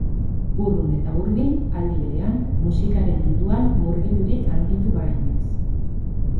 Urrun eta hurbil, aldi berean, musikaren munduan murgildurik handitu bainaiz.